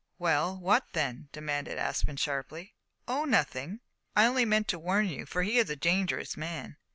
"Well, what then?" demanded Aspel sharply. "Oh! nothing. I only meant to warn you, for he is a dangerous man."